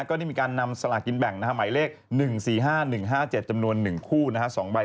ก็ได้มีการนำสลากินแบ่งหมายเลข๑๔๕๑๕๗จำนวน๑คู่๒ใบ